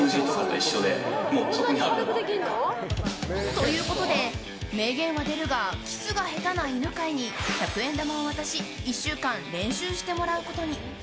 ということで名言は出るがキスが下手な犬飼に百円玉を渡し１週間練習してもらうことに。